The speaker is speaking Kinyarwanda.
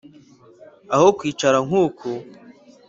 Aho kwicara nk'ubu